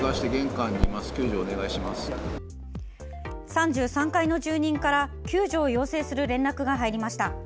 ３３階の住人から救助を要請する連絡が入りました。